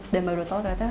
dan baru dua tahun ternyata